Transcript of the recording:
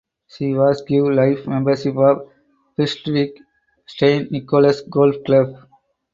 She was give life membership of Prestwick St Nicholas Golf Club.